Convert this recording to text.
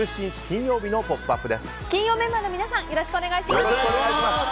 金曜メンバーの皆さんよろしくお願いします。